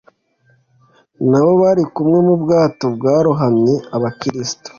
n abo bari kumwe mu bwato bwarohamye Abakristo